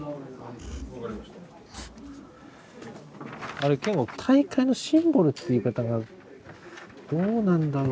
あれ健悟「大会のシンボル」って言い方がどうなんだろうなぁという。